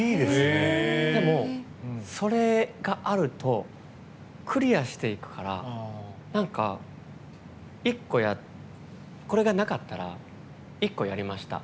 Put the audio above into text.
でも、それがあるとクリアしていくからなんか、これがなかったら１個やりました。